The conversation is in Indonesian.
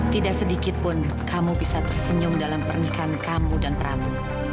tidak sedikit pun kamu bisa tersenyum dalam pernikahan kamu dan pramu